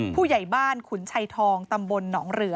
ผู้ใหญ่บ้านขุนชัยทองตำบลหนองเหลือ